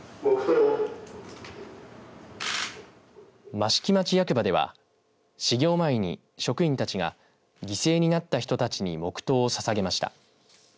益城町役場では始業前に職員たちが犠牲になった人たちに黙とうをささげました。